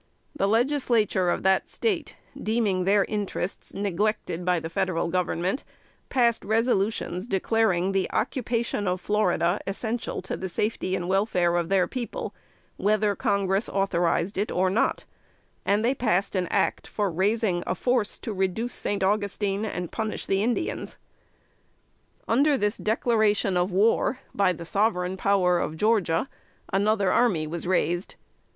The Legislature of that State, deeming their interests neglected by the Federal Government, passed resolutions declaring the occupation of Florida essential to the safety and welfare of their people, whether Congress authorized it or not; and they passed an act for raising a force "to reduce St. Augustine and punish the Indians." Under this declaration of war by the sovereign power of Georgia, another army was raised.